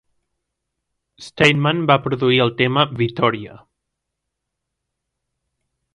Steinman va produir el tema "Vittoria!".